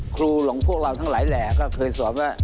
ครูหลังพวกเราทั้งหลายแหลกเคยสอบว่า